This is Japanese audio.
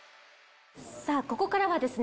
さぁここからはですね